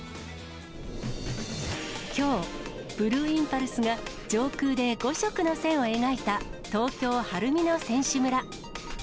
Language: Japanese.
きょう、ブルーインパルスが上空で５色の線を描いた東京・晴海の選手村。